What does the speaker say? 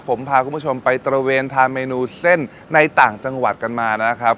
ผมพาคุณผู้ชมไปตระเวนทานเมนูเส้นในต่างจังหวัดกันมานะครับ